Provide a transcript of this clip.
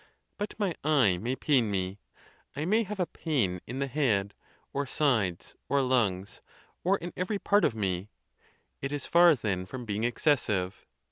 But my eye may pain me, I may have a pain in the head, or sides, or lungs, or in every part of me. It is far, then, from being excessive.